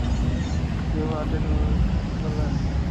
কেউ আটে দর ধরবেন?